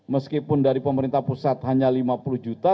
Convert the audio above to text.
meskipun dari pemerintah pusat hanya lima puluh juta